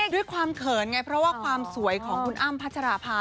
ด้วยความเขินไงเพราะว่าความสวยของคุณอ้ำพัชราภา